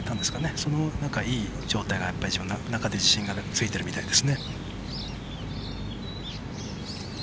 そのいい状態が、自分の中で自信がついてるみたいです。